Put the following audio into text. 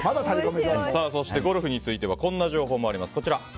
ゴルフについてはこんな情報もあります。